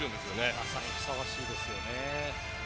まさに、ふさわしいですよね。